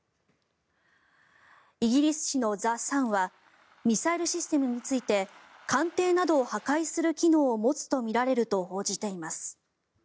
イギリス紙のザ・サンはミサイルシステムについて艦艇などを破壊する機能を持つとみられると報じています。